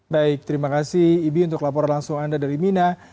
baik terima kasih ibi untuk laporan langsung anda dari mina